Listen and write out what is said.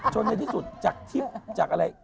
ในที่สุดจากทิพย์จากอะไร